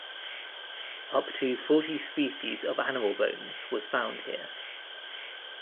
Up to forty species of animal bones was found here.